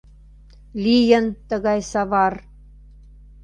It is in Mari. Лийын тыгай савар.